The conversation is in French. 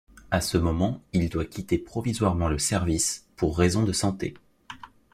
À ce moment, il doit quitter provisoirement le service pour raisons de santé.